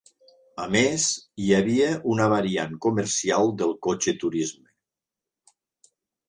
A més, hi havia una variant comercial del cotxe turisme.